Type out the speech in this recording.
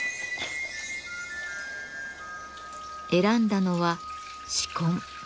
選んだのは紫根。